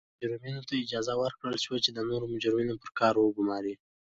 مجرمینو ته اجازه ورکړل شوه چې نور مجرمین پر کار وګوماري.